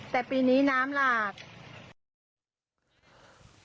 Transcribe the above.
แต่ปีนี้น้ำหลาก